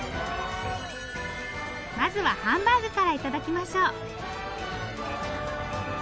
まずはハンバーグから頂きましょう。